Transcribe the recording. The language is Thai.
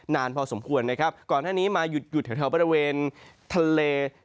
นานพอสมควรนะครับก่อนหน้านี้มาหยุดแถวบริเวณทะเล